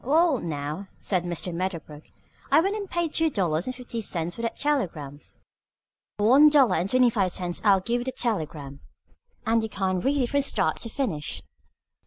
"Well, now," said Mr. Medderbrook, "I went and paid two dollars and fifty cents for that telegram. For one dollar and twenty five cents I'll give you the telegram, and you can read it from start to finish."